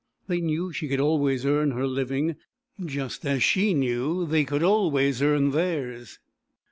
They knew she could always earn her living, just as she knew they could always earn theirs.